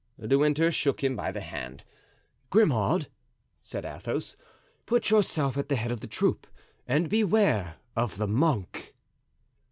De Winter shook him by the hand. "Grimaud," said Athos, "put yourself at the head of the troop and beware of the monk."